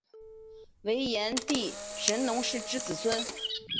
为炎帝神农氏之子孙。